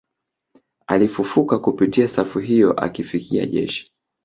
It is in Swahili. Alifufuka kupitia safu hiyo akifikia jeshi